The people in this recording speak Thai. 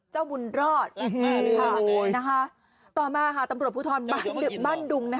เจ้าบุญรอดค่ะต่อมาตำรวจภูทรบั้นดุง